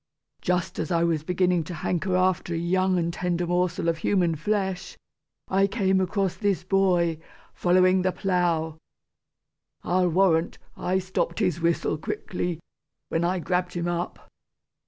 Just as I was beginning to hanker after a young and tender morsel of human flesh, I came across this boy, following the plough. I'll warrant, I stopped his whistle quickly, when I grabbed him up!